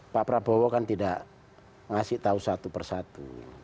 pak prabowo kan tidak ngasih tahu satu persatu